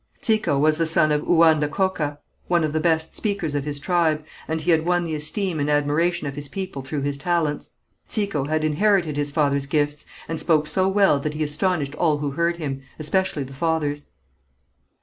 Tsiko was the son of Ouanda Koka, one of the best speakers of his tribe, and he had won the esteem and admiration of his people through his talents. Tsiko had inherited his father's gifts, and spoke so well that he astonished all who heard him, especially the fathers.